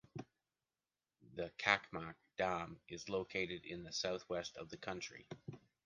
The Çakmak dam is located in the southwest of the county.